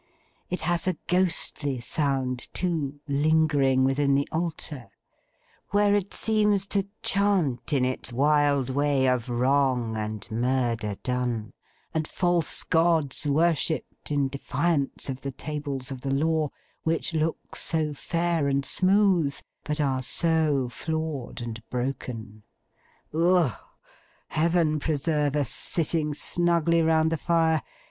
It has a ghostly sound too, lingering within the altar; where it seems to chaunt, in its wild way, of Wrong and Murder done, and false Gods worshipped, in defiance of the Tables of the Law, which look so fair and smooth, but are so flawed and broken. Ugh! Heaven preserve us, sitting snugly round the fire!